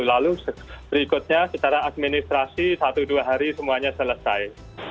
lalu berikutnya secara administrasi satu dua hari semuanya selesai